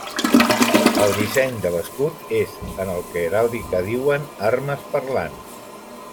El disseny de l'escut és en el que heràldica diuen armes parlants.